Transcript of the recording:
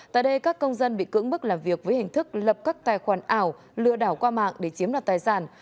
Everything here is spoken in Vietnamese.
tại đây các công dân bị cưỡng bức làm việc với hình thức lập các tài khoản ảo lựa đảo qua mạng để chiếm đoạt tài sản